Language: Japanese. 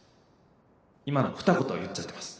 今のふた言言っちゃってます。